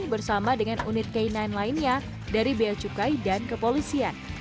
bersama dengan unit k sembilan lainnya dari bea cukai dan kepolisian